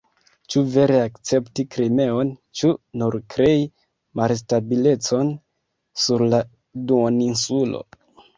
Ĉu vere akcepti Krimeon, ĉu nur krei malstabilecon sur la duoninsulo.